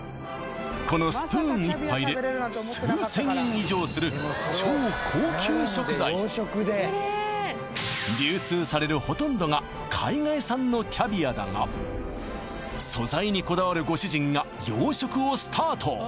このスプーン１杯で数千円以上する流通されるほとんどが海外産のキャビアだが素材にこだわるご主人が養殖をスタート